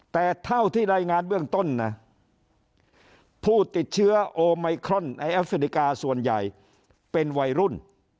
แต่เท่าที่รายงานเบื้องต้นนะผู้ติดเชื้อโอไมครอนในแอฟริกาส่วนใหญ่เป็นวัยรุ่น